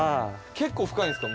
結構深いんですか？